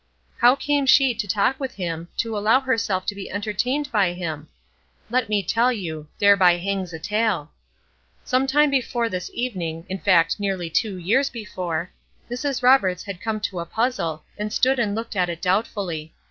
How came she to talk with him, to allow herself to be entertained by him? Let me tell you: thereby hangs a tale. Some time before this evening in fact, nearly two years before Mrs. Roberts had come to a puzzle, and stood and looked at it doubtfully.